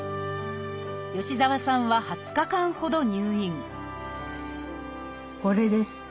吉澤さんは２０日間ほど入院これです。